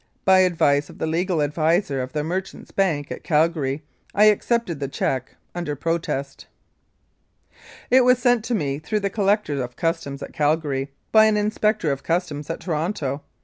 By advice of the legal adviser of the Merchants' Bank at Calgary I accepted the cheque "under protest." It was sent to me through the Collector of Customs at Calgary, by an Inspector of Customs at Toronto.